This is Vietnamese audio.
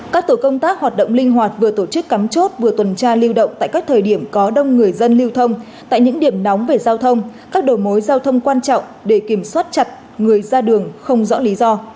các tổ công tác hoạt động linh hoạt vừa tổ chức cắm chốt vừa tuần tra lưu động tại các thời điểm có đông người dân lưu thông tại những điểm nóng về giao thông các đồ mối giao thông quan trọng để kiểm soát chặt người ra đường không rõ lý do